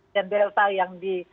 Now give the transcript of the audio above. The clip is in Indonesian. yang delta yang